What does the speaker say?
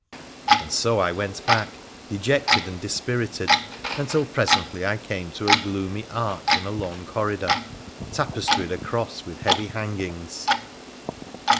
And so I went back, dejected and dispirited, until presently I came to a gloomy arch in a long corridor, tapestried across with heavy hangings.